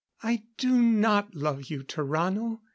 "I do not love you, Tarrano.